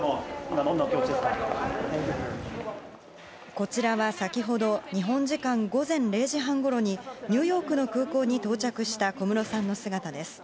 こちらは先ほど日本時間午前０時半ごろにニューヨークの空港に到着した小室さんの姿です。